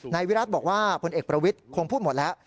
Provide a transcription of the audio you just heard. นายวิรัติบอกว่าพลเอกประวิทย์คงพูดหมดแล้ว